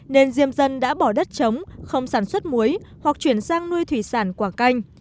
nên diêm dân đã bỏ đất trống không sản xuất muối hoặc chuyển sang nuôi thủy sản quảng canh